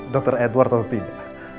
dr edward atau tidak